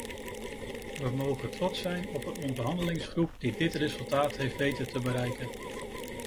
We mogen trots zijn op een onderhandelingsgroep die dit resultaat heeft weten te bereiken.